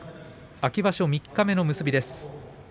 秋場所三日目の結びです。